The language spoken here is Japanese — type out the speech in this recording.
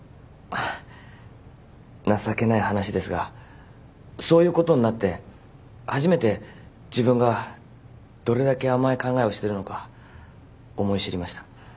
情けない話ですがそういうことになって初めて自分がどれだけ甘い考えをしてるのか思い知りました。